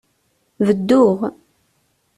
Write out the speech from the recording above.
Bedduɣ.